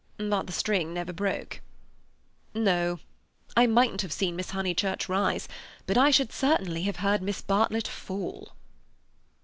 "But the string never broke?" "No. I mightn't have seen Miss Honeychurch rise, but I should certainly have heard Miss Bartlett fall."